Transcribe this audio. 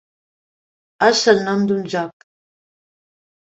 És el nom d'un joc.